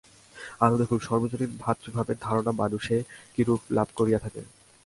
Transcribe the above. আরও দেখুন, সর্বজনীন ভ্রাতৃভাবের ধারণা মানুষে কিরূপে লাভ করিয়া থাকে।